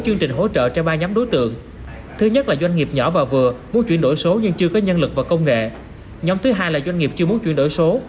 nhóm thứ hai là doanh nghiệp chưa muốn chuyển đổi số